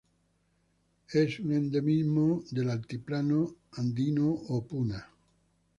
Es un endemismo del altiplano andino, o Puna.